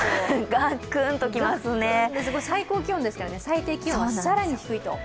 最高気温ですからね、最低気温は更に低いと。